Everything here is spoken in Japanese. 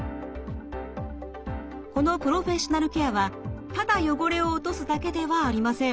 このプロフェッショナルケアはただ汚れを落とすだけではありません。